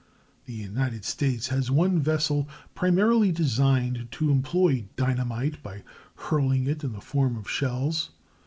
The United States has one vessel primarily designed to employ dynamite by hurling it in the form of shells.